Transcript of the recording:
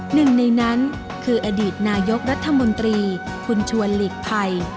หนึ่งในนั้นคืออดีตนายกรัฐมนตรีคุณชวนหลีกภัย